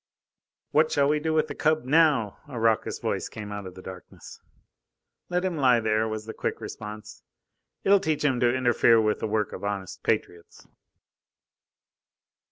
"What shall we do with the cub now?" a raucous voice came out of the darkness. "Let him lie there," was the quick response. "It'll teach him to interfere with the work of honest patriots."